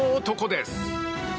男です。